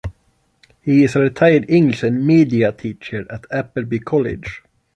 He is a retired English and Media teacher at Appleby College.